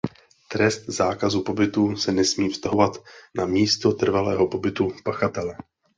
Trest zákazu pobytu se nesmí vztahovat na místo trvalého pobytu pachatele.